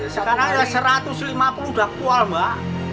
sekarang satu ratus lima puluh sudah kual mbak